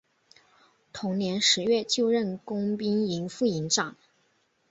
同年十月就任工兵营副营长。